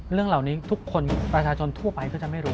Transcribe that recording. เรื่องเหล่านี้ทุกคนประชาชนทั่วไปก็จะไม่รู้